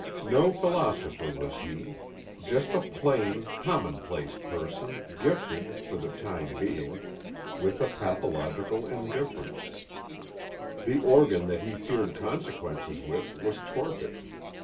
No philosopher was he—just a plain, commonplace person gifted, for the time being, with a pathological indifference: the organ that he feared consequences with was torpid.